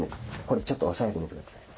これちょっと押さえてみてください。